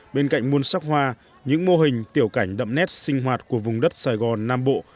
bên cạnh muôn sắc hoa những mô hình tiểu cảnh đậm nét sinh hoạt của vùng đất sài gòn nam bộ